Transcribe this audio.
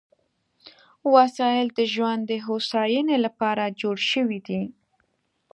وسایل د ژوند د هوساینې لپاره جوړ شوي دي.